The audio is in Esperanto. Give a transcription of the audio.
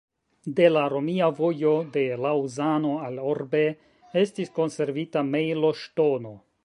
De la romia vojo de Laŭzano al Orbe estis konservita mejloŝtono.